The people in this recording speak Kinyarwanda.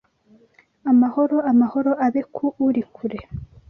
Amahoro, amahoro abe ku uri kure